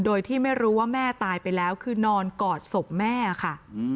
โดยที่ไม่รู้ว่าแม่ตายไปแล้วคือนอนกอดศพแม่ค่ะ